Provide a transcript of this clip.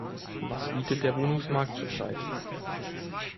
Was bietet der Wohnungsmarkt zur Zeit?